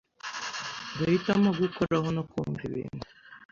" Bahitamo gukoraho no kumva ibintu